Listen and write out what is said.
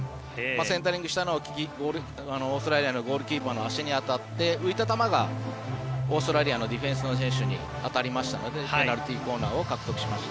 センタリングしたのをオーストラリアのゴールキーパーの足に当たって浮いた球が、オーストラリアのディフェンスの選手に当たりましたのでペナルティーコーナーを獲得しました。